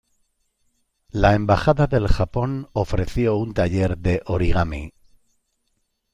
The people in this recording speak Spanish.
La embajada del Japón ofreció un taller de origami.